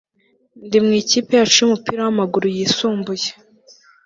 Ndi mu ikipe yacu yumupira wamaguru yisumbuye